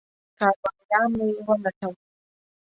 کاروانیان مې ولټول.